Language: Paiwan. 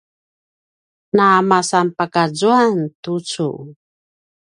namasanpakazuan tucu